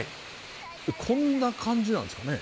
こんな感じなんですかね。